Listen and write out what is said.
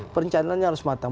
perencanaannya harus matang